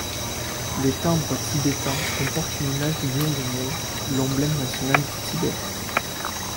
Les timbres tibétains comportent une image du lion des neiges, l'emblème nationale du Tibet.